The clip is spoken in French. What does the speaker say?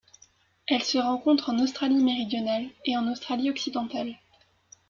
Elle se rencontre en Australie-Méridionale et en Australie-Occidentale.